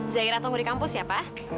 zaira tunggu di kampus ya pak